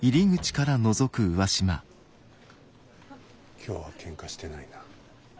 今日はけんかしてないな。